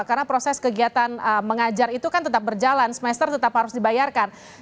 karena proses kegiatan mengajar itu kan tetap berjalan semester tetap harus dibayarkan